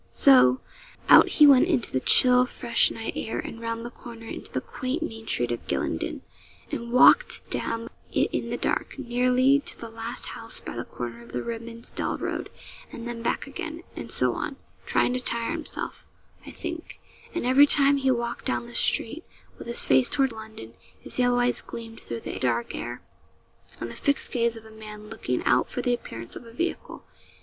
So, out he went into the chill, fresh night air, and round the corner into the quaint main street of Gylingden, and walked down it in the dark, nearly to the last house by the corner of the Redman's Dell road, and then back again, and so on, trying to tire himself, I think; and every time he walked down the street, with his face toward London, his yellow eyes gleamed through the dark air, with the fixed gaze of a man looking out for the appearance of a vehicle.